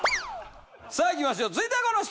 さあいきましょう。